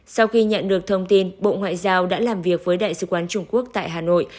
sau khi nhận được thông tin bộ ngoại giao đã làm việc với đại sứ quán trung quốc tại hà nội